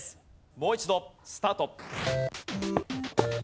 もう一度スタート。